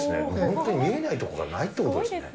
本当に見えないとこがないっていうことですね。